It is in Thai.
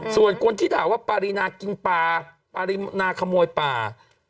ส่วนคนที่ด่าว่าปารีนากินปลานาขโมยป่า